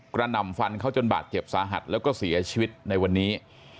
หนำฟันเขาจนบาดเจ็บสาหัสแล้วก็เสียชีวิตในวันนี้